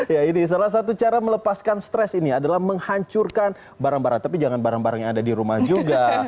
ya ini salah satu cara melepaskan stres ini adalah menghancurkan barang barang tapi jangan barang barang yang ada di rumah juga